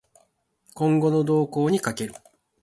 今後の動向に賭ける